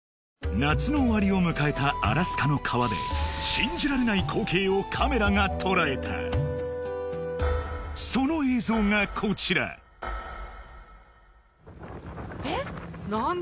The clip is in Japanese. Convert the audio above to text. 夏の終わりを迎えたアラスカの川で信じられない光景をカメラがとらえたその映像がこちら・何だ？